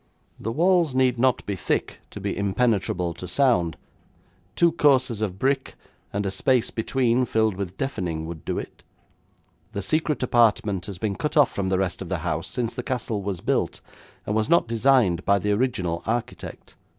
'The walls need not be thick to be impenetrable to sound. Two courses of brick, and a space between filled with deafening would do it. The secret apartment has been cut off from the rest of the house since the castle was built, and was not designed by the original architect.